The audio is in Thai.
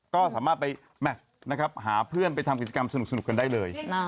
ก็สามารถไปหาเพื่อนไปทำกิจกรรมสนุกกันได้เลย